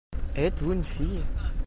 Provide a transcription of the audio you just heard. Êtes-vous une fille ?